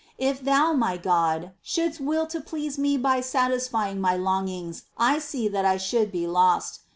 If Thou, my God, shouldst will to please me by satisfying my longings I see that I should be lost.